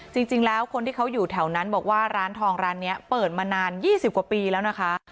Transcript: จริงแล้วคนที่เขาอยู่แถวนั้นบอกว่าร้านทองร้านนี้เปิดมานาน๒๐กว่าปีแล้วนะคะ